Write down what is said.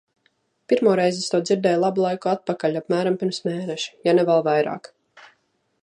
Pirmoreiz es to dzirdēju labu laiku atpakaļ, apmēram pirms mēneša, ja ne vēl vairāk.